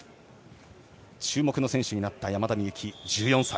注目の選手になった山田美幸、１４歳。